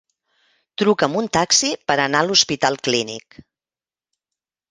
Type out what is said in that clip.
Truca'm un taxi per anar a l'Hospital Clínic.